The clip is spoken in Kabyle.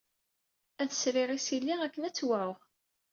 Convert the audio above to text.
Ad sriɣ isili akken ad tt-wɛuɣ.